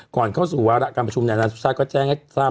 ก่อนเข้าสู่วาระการประชุมนายสุชาติก็แจ้งให้ทราบ